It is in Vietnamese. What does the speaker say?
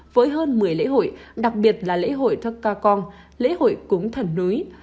với hơn một mươi lễ hội đặc biệt là lễ hội tắc cà con lễ hội cúng thần núi